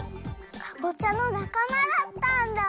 かぼちゃのなかまだったんだ！